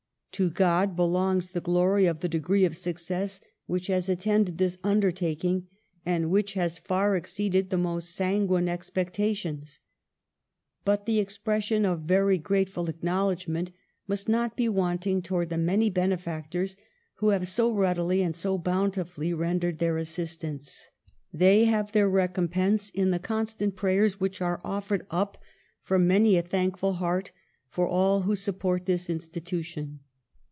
" To God belongs the glory of the degree of success which has attended this undertaking, and which has far exceeded the most sanguine ex pectations. But the expression of very grateful acknowledgment must not be wanting towards the many benefactors who have so readily and so bountifully rendered their assistance. They have their recompense in the constant prayers which are offered up from many a thankful heart for all who support this institution."